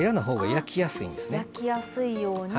あぁ焼きやすいように。